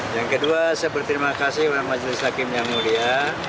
yang kedua saya berterima kasih kepada majelis hakim yang mulia